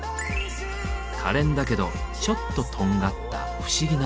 かれんだけどちょっととんがった不思議な魅力。